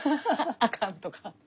あかんとか。